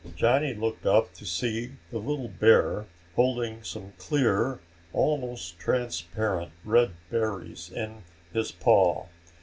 Johnny looked up to see the little bear holding some clear, almost transparent red berries in his paw.